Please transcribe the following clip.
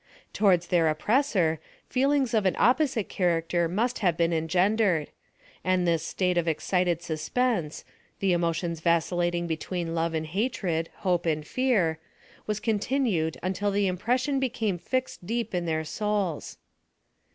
Towards their oppressor, feelings of an oj> posite character must have been engendered ; and this state of excited suspense — the emotions vascil lating between love and hatred, hope and fear — was continued until the impression became fixed deep in cheir souls.